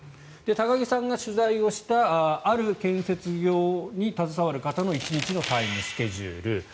高木さんが取材をしたある建設業に携わる方の１日のタイムスケジュール。